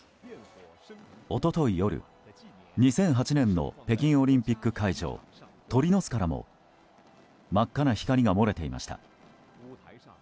一昨日夜、２００８年の北京オリンピック会場鳥の巣からも真っ赤な光が漏れていました。